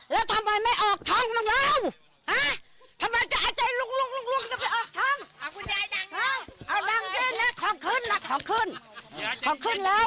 แล้วทำไมไม่ออกท่องหนึ่งแล้ว